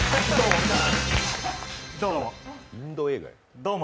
どうも。